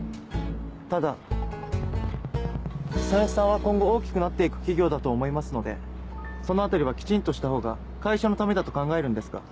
たださんしさんは今後大きくなって行く企業だと思いますのでそのあたりはきちんとしたほうが会社のためだと考えるんですが。